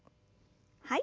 はい。